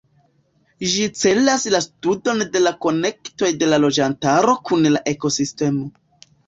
Ĝi celas la studon de la konektoj de la loĝantaro kun la ekosistemo.